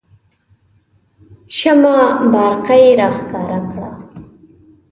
شمه بارقه یې راښکاره کړه.